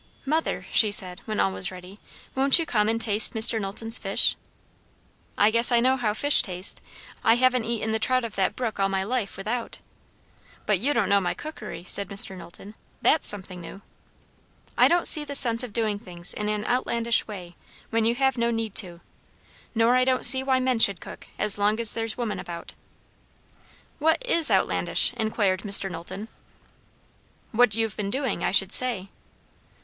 "Mother," she said, when all was ready, "won't you come and taste Mr. Knowlton's fish?" "I guess I know how fish taste. I haven't eaten the trout of that brook all my life, without." "But you don't know my cookery," said Mr. Knowlton; "that's something new." "I don't see the sense of doing things in an outlandish way, when you have no need to. Nor I don't see why men should cook, as long as there's women about." "What is outlandish?" inquired Mr. Knowlton. "What you've been doing, I should say."